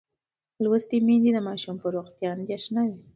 لوستې میندې د ماشوم پر روغتیا اندېښمنه وي.